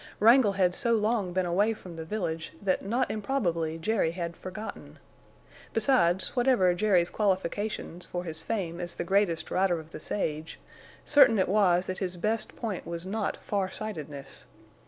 Wrangle had so long been away from the village that not improbably Jerry had forgotten. Besides, whatever Jerry's qualifications for his fame as the greatest rider of the sage, certain it was that his best point was not far sightedness.